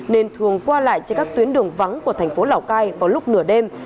nên thường qua lại trên các tuyến đường vắng của tp lào cai vào lúc nửa đêm